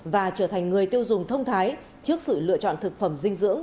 và trở thành người tiêu dùng thông thái trước sự lựa chọn thực phẩm dinh dưỡng